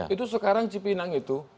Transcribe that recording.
itu sekarang cipinang itu